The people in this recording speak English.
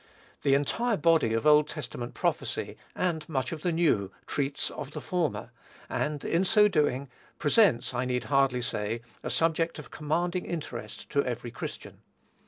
The entire body of Old Testament prophecy, and much of the New, treats of the former, and, in so doing, presents, I need hardly say, a subject of commanding interest to every Christian.